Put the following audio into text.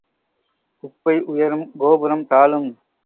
குப்பை உயரும் கோபுரம் தாழும்.